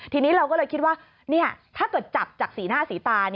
ทีนี้เราก็เลยคิดว่าถ้าเกิดจับจากสีหน้าสีตา